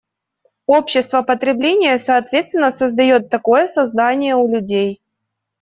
Общество потребления, соответственно, создает такое сознание у людей.